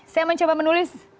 saya mencoba menulis